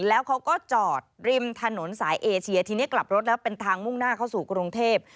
แล้วเขาก็จอดริมถนนสายเอเชียทีนี้กลับรถแล้วเป็นทางมุ่งหน้าเข้าสู่กรุงเทพ